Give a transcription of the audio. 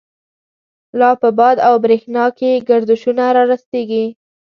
لا په باد او برَښنا کی، گردشونه را رستیږی